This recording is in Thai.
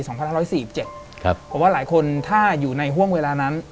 สองพันห้าร้อยสี่อีกเจ็ดครับเพราะว่าหลายคนถ้าอยู่ในห้วงเวลานั้น